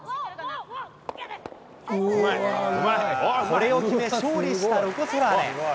これを決め、勝利したロコ・ソラーレ。